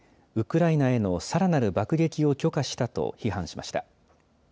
ウクライナへのさらなる爆撃を許可したと批判しました。